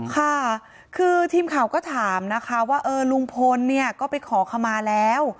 ค่ะคือทีมข่าวก็ถามนะคะว่าเออลุงพลเนี่ยก็ไปขอขมาแล้ว